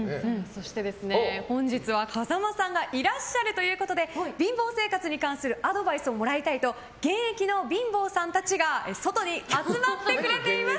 そして、本日は風間さんがいらっしゃるということで貧乏生活に関するアドバイスをもらいたいと現役の貧乏さんたちが外に集まってくれています！